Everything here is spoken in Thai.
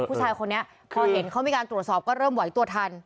ผู้ชายคนนี้พอเห็นเขามีการตรวจสอบก็เริ่มไหวตัวทัน